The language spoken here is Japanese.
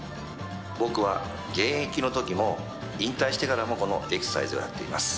僕は現役のときも引退してからもこのエクササイズをやっています。